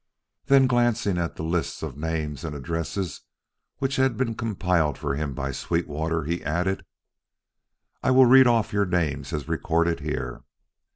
Then, glancing at the list of names and addresses which had been compiled for him by Sweetwater, he added: "I will read off your names as recorded here.